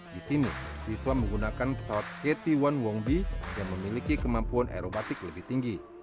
di sini siswa menggunakan pesawat kt satu wongbi yang memiliki kemampuan aerobatik lebih tinggi